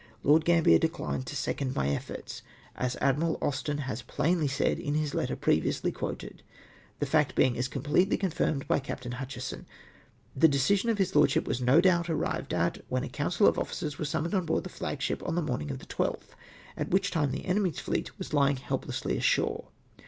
Lord Gambler dechned to second my efforts, as Admiral Austen has plainly said in his letter previously cjuoted, the fact being as completely confirmed by Captain Hutchinson. This decision of his lordship was no doubt arrived at, when a council of officers were summoned on board the flag ship, on the morning of the 12th, at which time the enemy's fleet was lying helplessly ashore.